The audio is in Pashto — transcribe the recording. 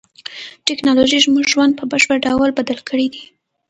تکنالوژي زموږ ژوند په بشپړ ډول بدل کړی دی.